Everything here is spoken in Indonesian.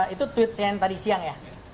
itu tweet saya yang tadi siang ya